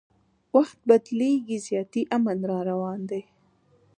وخت بدلیږي زیاتي امن را روان دی